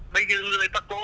bây giờ người paco